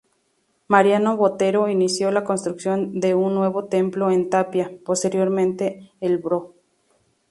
Mariano Botero inició la construcción de un nuevo templo en tapia; posteriormente el Pbro.